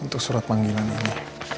untuk surat panggilan ini